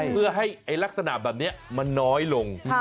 เพื่อให้ลักษณะแบบนี้มันน้อยลง